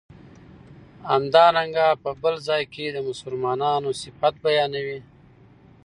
همدارنګه په بل ځای کی د مسلمانو صفت بیانوی